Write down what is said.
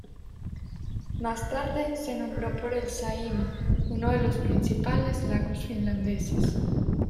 Más tarde se nombró por el Saimaa, uno de los principales lagos finlandeses.